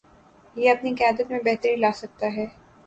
یہ اپنی قیادت میں بہتری لاسکتا ہے۔